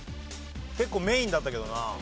結構メインだったけどな。